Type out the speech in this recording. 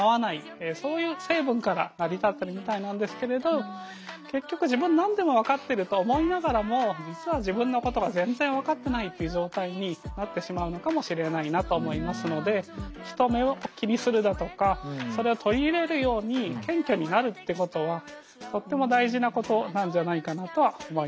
そういう成分から成り立ってるみたいなんですけれど結局自分という状態になってしまうのかもしれないなと思いますので人目を気にするだとかそれを取り入れるように謙虚になるってことはとっても大事なことなんじゃないかなとは思いました。